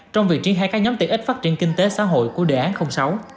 trong vị trí hai các nhóm tiện ích phát triển kinh tế xã hội của đề án sáu